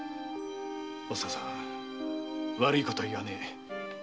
お蔦さん悪いことは言わねえ。